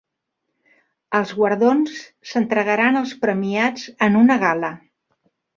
Els guardons s'entregaran als premiats en una gala